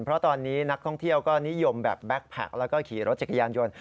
เพราะตอนนี้นักท่องเที่ยวก็นิยมแบบแบ็คแพคแล้วก็ขี่รถจักรยานยนต์